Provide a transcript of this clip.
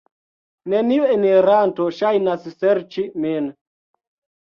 Neniu eniranto ŝajnas serĉi min.